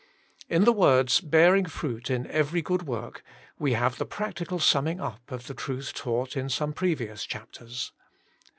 In the words, ' bearing fruit in every good work,* we have the practical summing up of the truth taught in some previous chapters.